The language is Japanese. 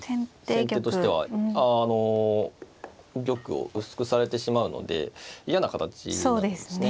先手としてはあの玉を薄くされてしまうので嫌な形なんですね。